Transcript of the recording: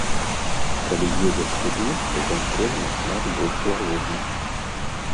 Калі едзеш туды, то кантроль нашмат больш лагодны.